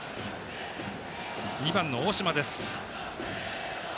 ２番の大島です。